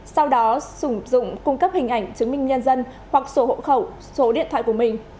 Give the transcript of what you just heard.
sau đó sử dụng cung cấp hình ảnh chứng minh nhân dân hoặc sổ hộ khẩu số điện thoại của mình